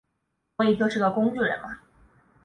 所以就是个工具人嘛